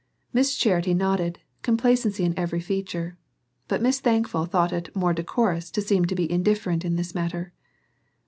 Miss Charity nodded, complacency in every feature; but Miss Thankful thought it more decorous to seem to be indifferent in this matter.